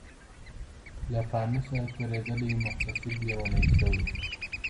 له پانوسه تورېدلی محتسب لېونی سوی